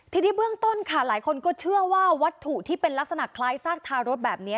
ทีนี้เบื้องต้นค่ะหลายคนก็เชื่อว่าวัตถุที่เป็นลักษณะคล้ายซากทารกแบบนี้